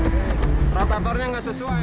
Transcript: iman juanda bogor jawa barat